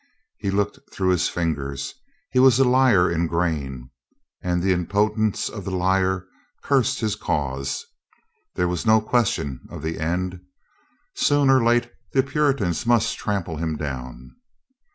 He looked through his fingers. He was a liar in grain, and the impotence of the liar cursed his cause. There was no question of the end. Soon or late the Puritans must trample him down.